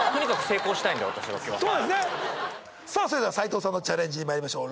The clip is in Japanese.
さぁそれでは斎藤さんのチャレンジにまいりましょう。